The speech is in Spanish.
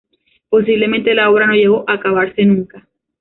Posiblemente la obra no llegó a acabarse nunca.